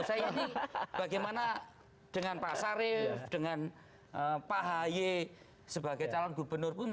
saya yakin bagaimana dengan pak sarif dengan pak haye sebagai calon gubernur pun